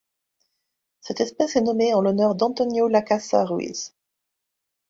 Cette espèce est nommée en l'honneur d'Antonio Lacasa-Ruiz.